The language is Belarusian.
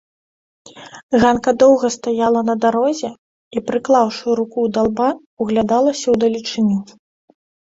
Ганка доўга стаяла на дарозе і, прыклаўшы руку да лба, углядалася ў далечыню.